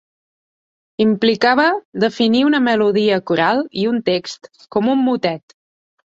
Implicava definir una melodia coral i un text, com un motet.